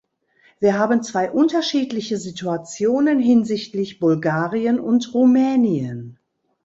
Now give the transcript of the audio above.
Wir haben zwei unterschiedliche Situationen hinsichtlich Bulgarien und Rumänien.